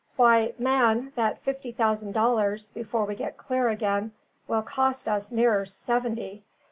"Why, man, that fifty thousand dollars, before we get clear again, will cost us nearer seventy.